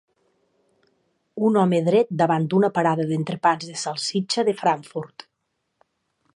Un home dret davant d'una parada d'entrepans de salsitxa de Frankfurt.